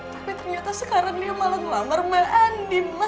tapi ternyata sekarang dia malah melamar mbak andi ma